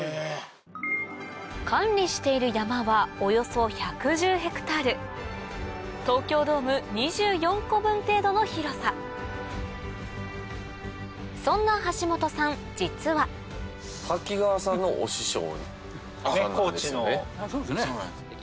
管理している山はおよそ１１０ヘクタール東京ドーム２４個分程度の広さそんな橋本さん実はそうですね。